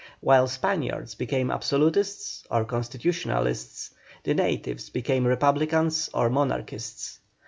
While Spaniards became Absolutists or Constitutionalists, the natives became Republicans or Monarchists.